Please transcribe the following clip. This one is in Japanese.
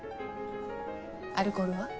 アルコールは？